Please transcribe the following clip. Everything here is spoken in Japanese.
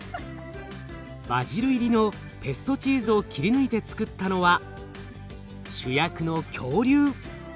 バジル入りのペストチーズを切り抜いてつくったのは主役の恐竜！